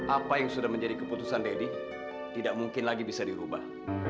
apa yang sudah menjadi keputusan deddy tidak mungkin lagi bisa dirubah